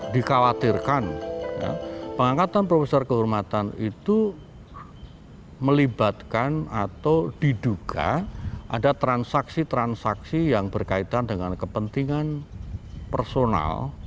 dikhawatirkan pengangkatan profesor kehormatan itu melibatkan atau diduga ada transaksi transaksi yang berkaitan dengan kepentingan personal